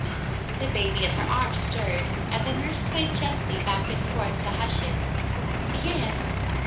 The baby in her arms stirred, and the nurse swayed gently back and forth to hush it. "Yes."